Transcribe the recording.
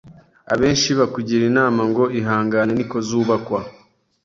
abenshi bakugira inama ngo ihangane, niko zubakwa.